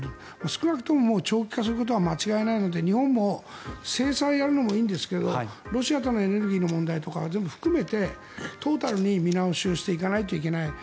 少なくとも長期化することは間違いないので日本も制裁やるのもいいんですがロシアとのエネルギーの問題とか全部含めてトータルに見直しをしていかないといけない。